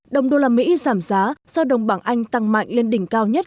đồng đô la mỹ giảm giá do đồng bảng anh tăng mạnh lên đỉnh cao nhất